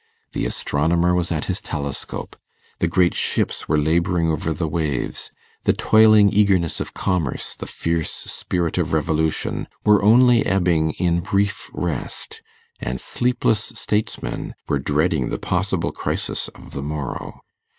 The astronomer was at his telescope; the great ships were labouring over the waves; the toiling eagerness of commerce, the fierce spirit of revolution, were only ebbing in brief rest; and sleepless statesmen were dreading the possible crisis of the morrow.